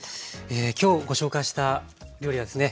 今日ご紹介した料理はですね